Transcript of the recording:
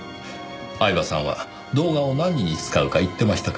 饗庭さんは動画を何に使うか言ってましたか？